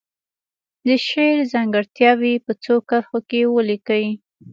د شعر ځانګړتیاوې په څو کرښو کې ولیکي.